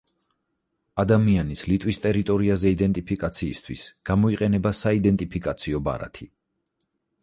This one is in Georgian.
ადამიანის ლიტვის ტერიტორიაზე იდენტიფიკაციისთვის გამოიყენება საიდენტიფიკაციო ბარათი.